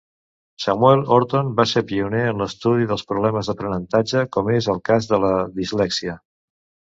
Samuel Orton va ser pioner en l'estudi dels problemes d'aprenentatge, com és el cas de la dislèxia.